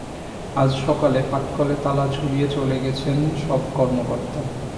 আজ সকালে পাটকলে তালা ঝুলিয়ে চলে গেছেন সব কর্মকর্তা।